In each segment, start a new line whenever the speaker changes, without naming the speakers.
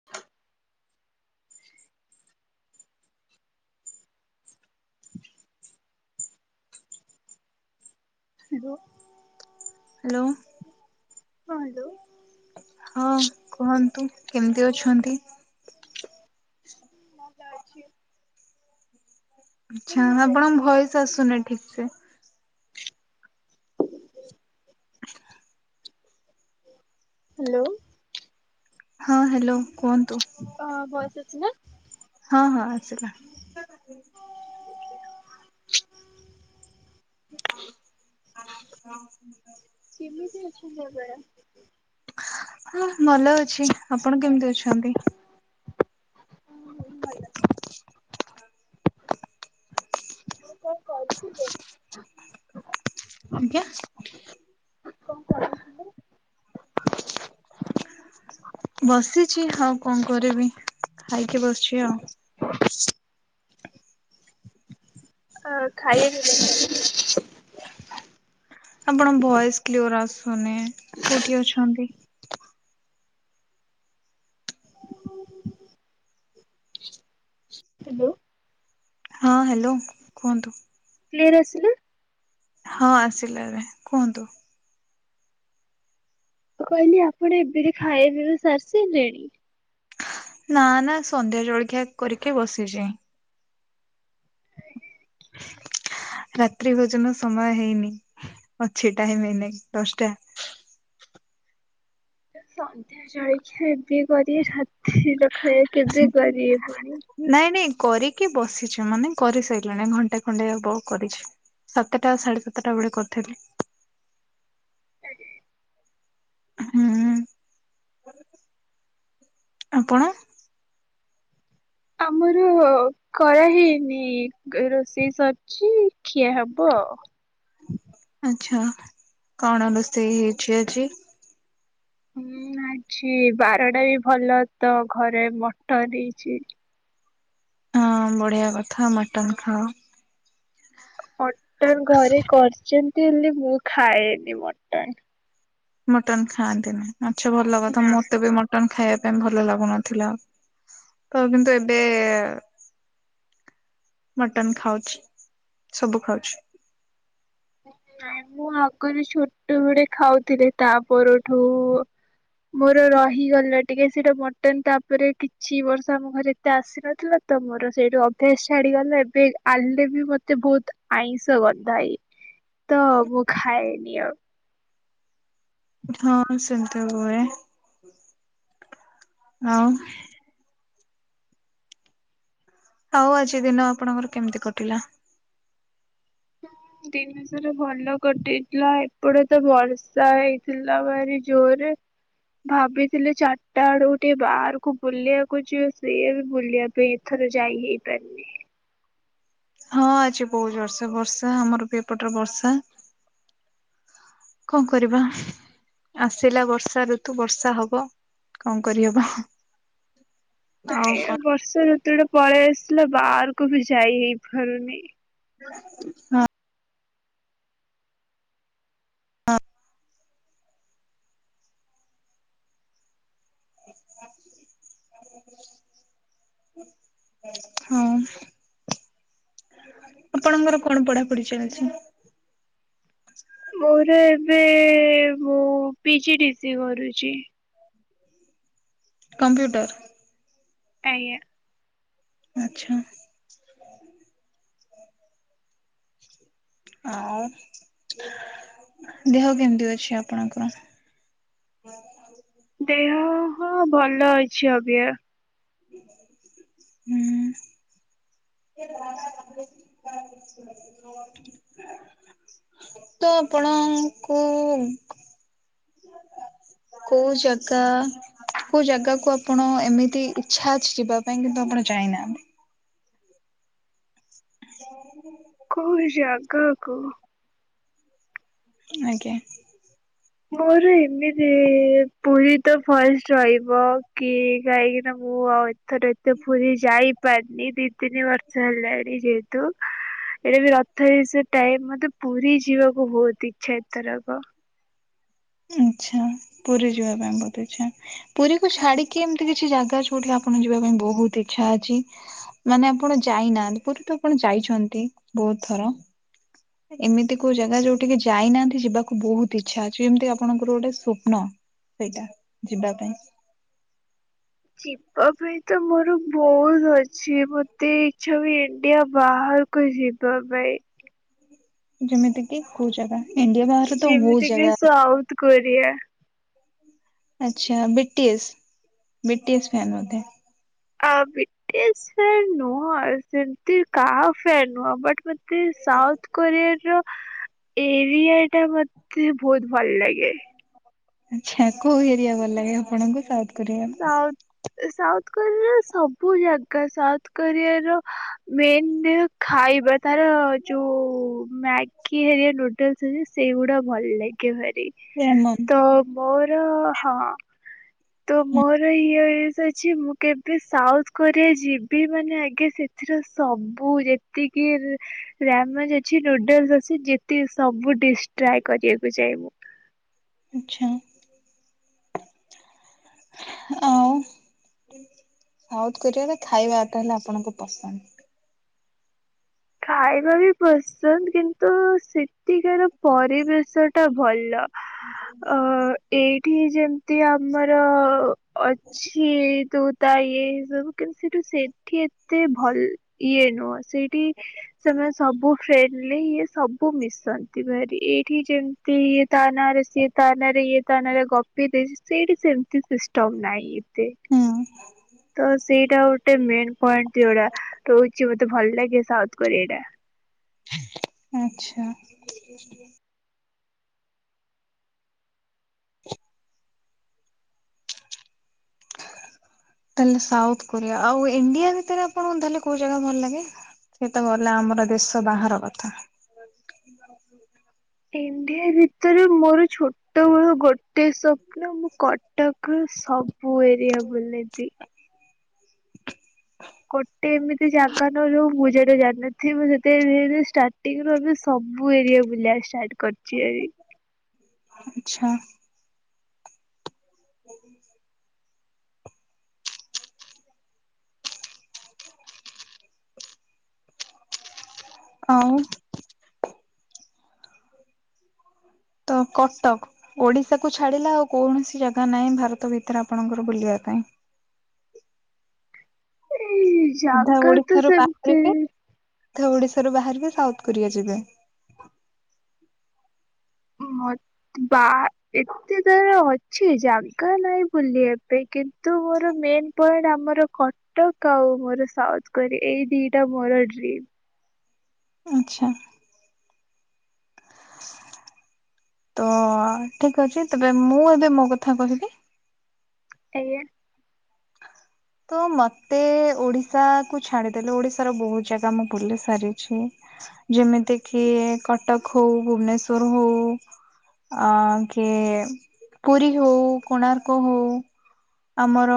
[unintelligible] [unintelligible] ଦୋ।
ହ୍ୟାଲୋ।
କୁହନ୍ତୁ।
ହଁ କୁହନ୍ତୁ କେମିତି ଅଛନ୍ତି।
ମଜା ଅଛି।
ଆଚ୍ଛା ଆପଣଙ୍କ
ହ୍ୟାଲୋ
ଭଏସେ ଆସୁନି ଠିକି ସେ।
ହ୍ୟାଲୋ।
ହଁ ହ୍ୟାଲୋ କୁହନ୍ତୁ।
ହଁ ବସ ଅଛି ନା।
ହଁ, ହଁ ଆସିଲା। [unintelligible]
କିଛି ଦେବେ ଡ଼ା।
ହଁ ଭଲ ଅଛି ଆପଣ କେମିତି ଅଛନ୍ତି।
ଭଲ
[inaudible]
କଣ କରୁଥିଲେ?
[inaudible] ଆଜ୍ଞା
କଣ କରୁ [inaudible]
ବସିଛି ଆଉ କଣ କରିବି ଖାଇକି ବସିଛି ଆଉ।
[unintelligible] ହଁ ଖାଇବା [unintelligible]
ଆପଣ ଭଏସ କିଲିୟାର ଆସୁନି କୋଉଠି ଅଛନ୍ତି।
ହ୍ୟାଲୋ
ହଁ ହ୍ୟାଲୋ କୁହନ୍ତୁ
କ୍ଲିୟର ଆସିଲ
ହଁ ଆସିଲା ଏବେ କୁହନ୍ତୁ।
କହିଲି ଆପଣ ଏବେ ଖାଇ ପିଇ ବି ସାରିସେ ଲେଣି।
ନା ନା ସନ୍ଧ୍ୟା ଜଳଖିଆ କରିକି ବସିଛି। ରାତ୍ରି ଭୋଜନ ସମୟ ହେଇନି ଅଛି ଟାଇମ ହେଇନାଇ ଦଶଟା।
ସନ୍ଧ୍ୟା ଜଳଖିଆ ଏବେ କରି ରାତିର ଖାଇବା କେବେ କରିବେ ପୁଣି।
ନାଇଁ ନାଇଁ କରିକି ବସିଛି ମାନେ କରିସାରିଲାଣି ଘଣ୍ଟେ ଖଣ୍ଟେ ହବ କରିଛି। ସାତଟା ସାଢ଼େ ସାତଟା ବେଳେ କରିଥିଲି।
ଆରେ [unintelligible]
ହୁଁ ଆପଣ?
ଆମର କର ହେଇନି ରୋଷେଇ ସ? ଚ ଖିଏ ହବ ଆଉ।
ଆଛା କଣ ରୋଷେଇ ହେଇଛି ଆଜି?
ହୁଁ ଆଜି ବାରଟା ବି ଭଲ ତ ଘରେ ମଟନ ହେଇଛି।
ହଁ ବଢିଆ କଥା ମଟନ୍ ଖାଅ।
ମଟନ ଘରେ କରିଛନ୍ତି ହେଲେ ମୁଁ ଖାଏନି ମଟନ୍।
ମଟନ ଖାଆନ୍ତି ନାହିଁ ଆଚ୍ଛା ଭଲ କଥା
ନା
ମଁତେ ବି ମଟ? ମଟନ ଖାଇବା ପାଇଁ ଭଲ ଲାଗୁନଥିଲା ତ କିନ୍ତୁ ଏବେ? ମଟନ ଖାଉଛି ସବୁ ଖାଉଛି।
ନାଇଁ ମୁଁ ଆଗରେ ଛୋଟବେଳେ ଖାଉଥିଲି ତା ପରଠୁ? ମୋର ରହିଗଲା ଟିକେ ସେଟା ମଟନ ତାପରେ କିଛି ବର୍ଷ ଆମ ଘର? ମତେ ଆସିନଥିଲା ତ ମୋର ସେଇଠୁ ଅଭ୍ୟାସ ଛାଡିଗଲା ଏବେ ଆଲେ ବି ମତେ ବହୁତ? ଆଇଁଷ ଗନ୍ଧାଇ ତ ମୁଁ ଖାଏନି ଆ।
ହଁ ସେମିତି ହୁହଏ [unintelligible] ଆଉ ଆଉ ଆଜି ଦିନ ଆପଣଙ୍କର କେମିତି କଟିଲା।
ଦିନ [unintelligible] ଭଲ କଟିଥିଲା ଏପଟେ ତ ବର୍ଷା ହେଇଥିଲା ଭାରି ଜୋରରେ। ଭାବିଥିଲେ ଚାରିଟା ଆଡୁ ଟିକେ ବାହାରକୁ ବୁଲିବାକୁ ଯିବ ସିଏ ବି ବୁଲିବା ପାଇଁ। ଥର ଯାଇ ହେଇ ପାରିନି।
ହଁ ଆ ଛି ବହୁତ ଜୋରେ ବର୍ଷା ଆମର ବି ଏପଟରେ ବର୍ଷା କଣ କରିବା। ଆସିଲା ବର୍ଷା ଋତୁ ବର୍ଷା ହବ କଣ କରିହବ। ଆଉ
ଏ
କଣ
ଆ ବର୍ଷା ଋତୁଟା ପଳେଇ ଆସିଲା ବାହାରକୁ ବି ଯାଇ ହେଇ ପାରୁନି।
ହଁ [unintelligible] [inaudible] [inaudible] ହଁ [unintelligible] ଆପଣଙ୍କର କଣ ପଢାପଢି ଚାଲ୍ଚି?
ମୋର ଏବେ ଏବେ ମୁଁ ପିଜି ଡି ସି ଏ କରୁଚି।
କମ୍ପ୍ୟୁଟର୍?
ଆଜ୍ଞା।
ଆଚ୍ଛା। ଆଉ ଦେହ କେମ୍ତି ଅଛି ଆପଣଙ୍କର?
ଦେହ ହ ଭଲ ଅଛି ଅବିକା।
ହୁଁ। ତ ଆପଣଙ୍କୁ କୋଉ ଜାଗା କୋଉ ଜାଗାକୁ ଆପଣ ଏମିତି ଇଚ୍ଛା ଅଛି ଯିବା ପାଇଁ କିନ୍ତୁ ଆପଣ ଯାଇନାହାନ୍ତି? ଆ [inaudible]
କୋଉ ଜାଗାକୁ
ଆଜ୍ଞା।
ମୋର ଏମିତି ପୁରୀ ତ ଫାଷ୍ଟ ରହିବ, କି କାହିକିନା ମୁଁ ଆଉ ଏ ଥର ଏତେ ପୁରୀ ଯାଇ ପାରିନି ଦି ତିନି ବର୍ଷ ହେଲାଣି ଯେହେତୁ। ଏବେ ବି ରଥ [unintelligible] ଟାଇମ୍ ମତେ ପୁରୀ ଯିବାକୁ ବହୁତ୍ ଇଚ୍ଛା ଏଥରକ।
ଆଚ୍ଛା ପୁରୀ ଯିବା ପାଇଁ ବହୁତ୍ ଇଚ୍ଛା, ପୁରୀକୁୁ ଛାଡିକି ଏମ୍ ତି କିଛି ଜାଗା ଅଛି ଯୋଉଠିକି ଆପଣ ଯିବା ପାଇଁ ବହୁତ୍ ଇଚ୍ଛା ଅଛି? ମାନେ ଆପଣ ଯାଇନାହାନ୍ତି, ପୁରୀ ତ ଆପଣ ଯାଇଛନ୍ତି ବହୁତ୍ ଥର। ଏମିତି କୋଉ ଜାଗା ଯୋଉଠିକି ଯାଇନାହାନ୍ତି ଯିବାକୁ ବହୁତ୍ ଇଚ୍ଛା ଅଛି [unintelligible] ଆପଣଙ୍କର ଗୋଟାଏ ସ୍ୱପ୍ନ ସେଇଟା ଯିବା ପାଇଁ?
ଯିବା ପାଇଁ ତ ମୋର ବହୁତ୍ ଅଛି, ମତେ ଇଚ୍ଛା ବି ଇଣ୍ଡିଆ ବାହାର କୁ ଯିବା ପାଇଁ।
ଯେମିତି କିି କୋଉ ଜାଗା, ଇଣ୍ଡିଆ ବାହାରେ ତ ବହୁତ୍
ଯେମିତି କି
ଜାଗା ଅଛି।
South Korea.
ଆଚ୍ଛା ବିଟି ଏସ୍-ବିଟି ଏସ୍ ଫ୍ୟନ୍ ବୋଧେ?
ଆ ବିଟି ଏସ୍ ଫ୍ୟାନ୍ ନୁହଁ, ସେମ୍ତି କାହା ଫ୍ୟାନ୍ ନୁହଁ ବଟ୍ ମ ତେ ସାଉଥ କୋରିଆ ର ଏରଆ ଟା ମତେ ବହୁତ୍ ଭଲ୍ ଲାଗେ।
ଆଚ୍ଛା, କୋଉ ଏରଆ ଭଲ୍ ଲାଗେ ଆପଣଙ୍କୁ [unintelligible]
ସାଉଥ୍ ସାଉଥ୍ କୋରିଆ ର ସବୁ ଜାଗା, ସାଉଥ୍ କୋରିଆ ର ମେନ୍ [unintelligible] ଖାଇବା ତାର ଯୋଉ ମ୍ୟାଗି ହେରିଆ ନୁଡଲ୍ସ ଅଛି ସେଇଗୁଡା ଭଲ୍ ଲା ଗେ ଭାରି।
[unintelligible]
ତ ମୋର ହଁ ତ ମୋର [unintelligible] ଅଛି ମୁଁ କେବେ ସାଉଥ୍ କୋରିଆ ଯିବି ମାନେ ଆଗେ ସେଥିର ସବୁ ଯେତିକି [unintelligible] ଅଛି ନୁଡଲ୍ସ ଅଛି ଯେତେ ସବୁ ଡିସ୍ ଟ୍ରଏ କରିଆକୁ ଚାହଁବି।
ଆଚ୍ଛା, ଆଉ ସାଉଥ୍ କୋରିଆରେ ଖାଇବାଟା ହେଲା ଆପଣଙ୍କୁ ପସନ୍ଦ।
ଖାଇବା ବି ପସନ୍ଦ କିନ୍ତୁ ସେଠିକାର ପରିବେଶଟା ଭଲ। ଅ ଏଇଠି ଯେମ୍ତି ଆମର ଅଛି [unintelligible] ତା ଇଏ ହି ସବୁ କିନ୍ତୁ ସେଇଠୁ ସେଠି ଏତେ ଭଲ ଇଏ ନୁହଁ ସେଇଠି ସେମାନେ ସବୁ ଫ୍ରେଣ୍ଡଲି ଇଏ ସବୁ ମିଶନ୍ତି ଭାରି ଏଇଠି ଯେମ ଜେ ଇଏ ତାନାଁରେ ସିଏ ତାନାଁରେ ଇଏ ତାନାଁରେ ଗପି ଦେଇଚି ସେଇଠି ସେମିତି ସିଷ୍ଟମ ନାଇଁ ଏତେ।
ହଁ।
ତ ସେଇଟା ଗୋଟେ ମେନ୍ ପଏଣ୍ଟ ଯଉଡ଼ା ରହୁଛି ମତେ ଭଲ ଲାଗେ ସାଉଥ କୋରିଆଟା।
ଆଚ୍ଛା। ତାହେଲେ ସାଉଥ କୋରିଆ ଆଉ ଇଣ୍ଡିଆ ଭିତରେ ଆପଣଙ୍କୁ ତାହେଲେ କୋଉ ଜାଗା ଭଲ ଲାଗେ। ସେ ତ ଗଲା ଆମର ଦେଶ ବାହାର କଥା।
ଇଣ୍ଡିଆ ଭିତରେ ମୋର ଛୋଟବେଳୁ ଗୋଟେ ସପ ନା ମୁଁ କଟକର ସବୁ ଏରିଆ ବୁଲିଚି। ଗୋଟେ ଏମିତି ଜାଗା ନଉ ଜଉ ମୁଁ ଜଉଟା ଜାଣିନାଇଁ। ମୁଁ ସେତ ଧୀରେ ଧରେ ଷ୍ଟାର୍ଟିଙ୍ଗ ରୁ ଏବେ ସବୁ ଏରିଆ ବୁଲିବା ଷ୍ଟାର୍ଟ କରିଛି ଆଜି।
ଆଚ୍ଛା। ହ ଆଉ। ତ କଟକ। ଓଡିଶାକୁୁ ଛାଡିଲେ ଆଉ କୌଣସି ଜାଗା ନାହିଁ ଭାରତ ଭିତରେ ଆପଣଙ୍କର ବୁଲିବା ପାଇଁ।
ଏଇ
ଅଧା
ଜାଗା ତ ସେମିତି
ସିଧା ଓଡିଶାରୁ ବାହାରିବେ ସାଉଥ କୋରିଆ ଯିବେ।
ହୁଁ। ବା ଏତେ ତାର ଅଛି ଜାଗା ନାଇଁ ବୁଲିବା ପାଇଁ କିନ୍ତ ନ୍ତୁ ମୋର ମେନ୍ ପଏଣ୍ଟ ଆମର କ ଟକ ଆଉ ମୋର ସାଉଥ କୋରି ଏଇ ଦିଟା ମୋର ଡ୍ରିମ୍।
ଆଚ୍ଛା। ତ ଠିକ ଅଛି ତେବେ ମୁଁ ଏବେ ମୋ କଥା କହିବି?
ଆଜ୍ଞା।
ତ ମତେ ଓଡିଶାକୁ ଛାଡିଦେଲେ ଓଡିଶାର ବହୁତ ଜାଗା ମୁଁ ବୁଲି ସାରିଛି। ଯେମିତି କି କଟକ ହଉ ଭୁବନେଶ୍ଵର ହଉ। ଅ କି ପୁରୀ ହଉ କୋଣାର୍କ ହଉ। ଆମର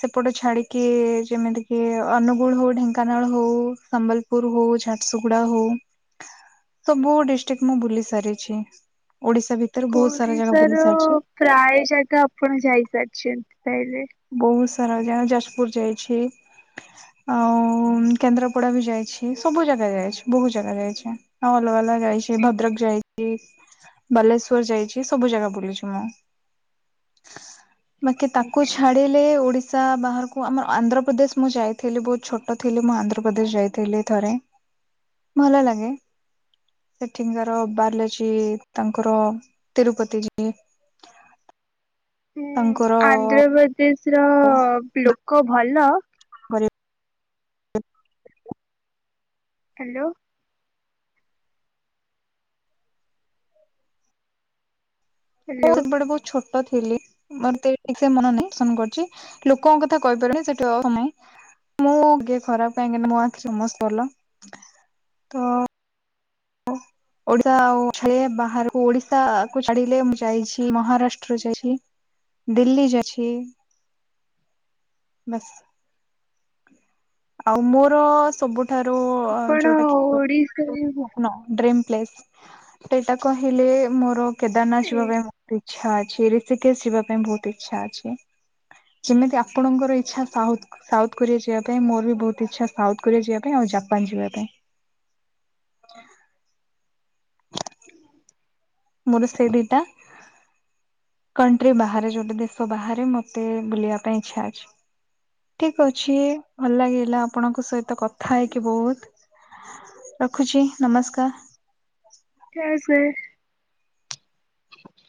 ସେପଟ ଛାଡିକି ଯେମିତି କି ଅନୁଗୁଳ ହଉ ଢେଙ୍କାନାଳ ହଉ ସମ୍ବଲ ପୁର ହଉ ଝାଟସୁଗଡ଼ା ହଉ।
ହଁ
ସବୁ ଡିଷ୍ଟ୍ରିକଟ ମୁଁ ବୁଲି ସାରିଛି ଓଡିଶା ଭିତ
ଓଡିଶାରୁ ପ୍ରାୟ ଜାଗା ଆପଣ ଯାଇସାରିଛନ୍ତି ତାହଲେ।
ବହୁତ ସାରା ଜାହା ଯାଜପୁର ଯାଇଛି। ଆଉ କେନ୍ଦ୍ରାପଡା ବି ଯାଇଛି ସବୁ ଜାଗା ଯାଇଛି ବହୁତ ଜାଗା ଯାଇଛି। ହ ଭଲ ଭଲ ଯାଇଛି ଭଦ୍ରକ ଯାଇ ଚି ବାଲେଶ୍ଵର ଯାଇଛି ସବୁ ଜାଗା ବୁଲିଛି ମୁଁ। ବାକି ତାକୁ ଛ ଛାଡ଼ିଲେ ଓଡ଼ିଶା ବାହାରକୁ ଆମର ଆନ୍ଧ୍ରପ୍ରଦେଶ ମୁଁ ଯାଇଥିଲି ବହୁତ ଛୋଟ ଥିଲି ମୁଁ ଆନ୍ଧ୍ରପ୍ରଦେଶ ଯାଇଥିଲି। ଥରେ ଭଲ ଲାଗେ। ସେଠିଙ୍କାର ବାରିଲଜୀ ତାଙ୍କର ତିରୁପତି ଜୀ। ତାଙ୍କର
ସେ ଦେଶର ଲୋକ ଭଲ
କରେ [unintelligible]
ହ୍ୟାଲୋ ହ୍ୟାଲୋ
ବହୁତ ବଡ଼ ପଛ ଥିଲି ମୋର ଠିକ ସେ ମନ ନେଇ ପସନ କରୁଛି ଲୋକଙ୍କ କଥା କହିପାରୁନି ସେଠିୟ ମୁଁ କିଏ ଖରାପ କାହିଁକିନା ମୋ ଆଖି ସମସ୍ତେ ଭଲ ତ
[inaudible]
ଓଡିଶା ଆଉ ଛ ବାହାରକୁ ଓଡିଶାକୁ ଛାଡିଲେ ମୁଁ ଯାଇଛି ମହାରାଷ୍ଟ୍ର ଯାଇଛି ଦିଲ୍ଲୀ ଯାଇଛି ବାସ୍ ଆଉ ମୋର ସବୁଠାରୁ
ଆପଣ
ଯୋଉଟା କି
ଓଡିଶାରେ
ସ୍ୱପ୍ନ ଡ୍ରିମ୍ ପ ପ୍ଲେସ୍ ସେଇଟା କହିଲେ ମୋର କେଦାରନାଥ ଯିବା ପାଇଁ
ଏଇଟା
ମ ହୁତ ଇଚ୍ଛା ଅଛି ରିଷିକେସ୍ ଯିବା ପାଇଁ ବହୁତ ଇଚ୍ଛା ଅଛି ଯେମିତି ଆପଣଙ୍କର ଇଚ୍ଛା ସାଉଥ୍ ସାଉଥ୍ କୋରିଆ ଯିବା ପାଇଁ ମୋ ବି ବହୁତ ଇଛା ସାଉଥ୍ କୋରିଆ ଯିବା ପାଇଁ ଆଉ ଜାପାନ୍ ଯିବା ପାଇଁ ମୋର ସେ ଦିଇଟା କଣ୍ଟ୍ରି ବାହାରେ ଯୋଉଟା ଦେଶ ବାହାରେ ମତେ ବୁଲିବା ପାଇଁ ଇଚ୍ଛା ଅଛି ଠିକ ଅଛି ଭଲ ଲାଗିଲା ଆପଣଙ୍କ ସହିତ କଥା ହେଇକି ବହୁତ୍ ରଖୁଛି ନମସ୍କାର
[unintelligible]